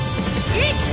１！